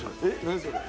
それ。